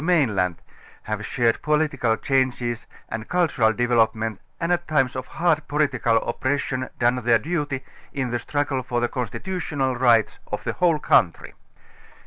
mainland have shared political changes and cultural developement and at times of hard political oppres sion done their duty in the struggle for the constitutional rights of the whole country.